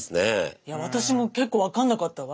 いや私も結構分かんなかったわ。